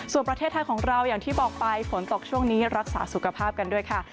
ส่วนประเทศไทยของเราอย่างที่บอกไปฝนตกช่วงนี้รักษาสุขภาพกันด้วยค่ะ